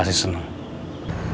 sampai ketemu besok ya